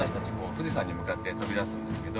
富士山に向かって飛び出すんですけど。